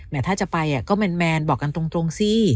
ถ้าจะไปก็แมนบอกกันตรงสิ